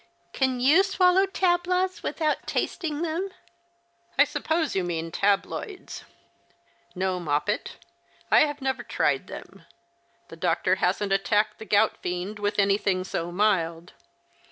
Can you swallow tablaws without tasting them ?"'' I suppose you mean tabloids. No, Moppet, I have 136 The Christmas Hirelings. never tried them. The doctor hasn't attacked the gout tiend with anything so mild.